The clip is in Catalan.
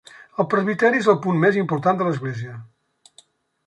El presbiteri és el punt més important de l'església.